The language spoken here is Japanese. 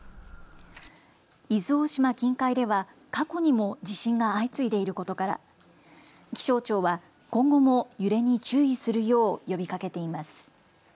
伊豆大島近海では過去にも地震が相次いでいることから気象庁は今後も揺れに注意するよう呼びかけています。